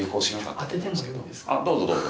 あっどうぞどうぞ。